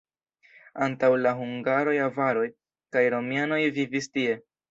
Antaŭ la hungaroj avaroj kaj romianoj vivis tie.